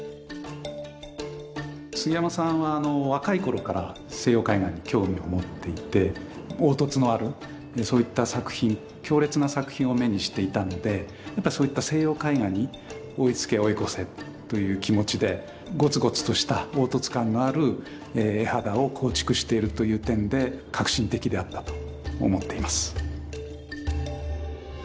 杉山さんは若い頃から西洋絵画に興味を持っていて凹凸のあるそういった作品強烈な作品を目にしていたのでやっぱそういった西洋絵画に追いつけ追い越せという気持ちでごつごつとした凹凸感のある絵肌を構築しているという点で革新的であったと思っています。